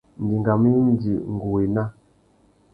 Nʼdingamú indi ngu wô ena.